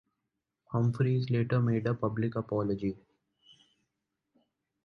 Humphreys later made a public apology.